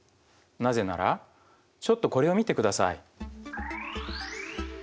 なぜならちょっとこれを見てください。